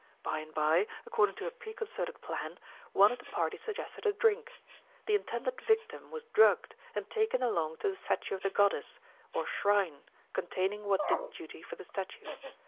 By and bye, according to a preconcerted plan, one of the party suggested a drink. The intended victim was drugged, and taken along to the statue of the goddess, or shrine containing what did duty for the statue.